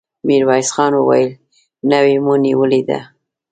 ميرويس خان وويل: نوې مو نيولې ده!